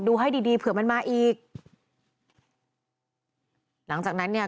ให้ดีดีเผื่อมันมาอีกหลังจากนั้นเนี่ย